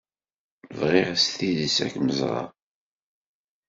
Bɣiɣ s tidet ad kem-ẓreɣ.